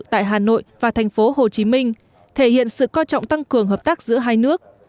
tại hà nội và thành phố hồ chí minh thể hiện sự coi trọng tăng cường hợp tác giữa hai nước